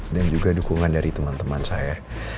dan juga dukungan dari teman teman saya